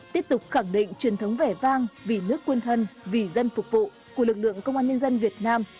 tiếp tục khẳng định truyền thống vẻ vang vì nước quên thân vì dân phục vụ của lực lượng công an nhân dân việt nam